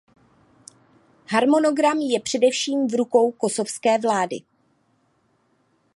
Harmonogram je především v rukou kosovské vlády.